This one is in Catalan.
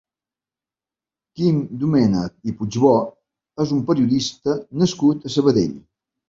Quim Domènech i Puigbó és un periodista nascut a Sabadell.